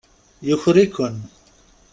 Yuker-iken.